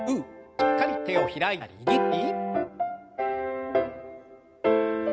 しっかりと手を開いたり握ったり。